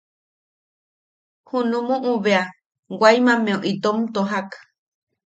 Junuʼu bea Waimammeu itom tojak.